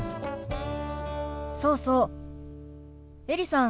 そうそうエリさん。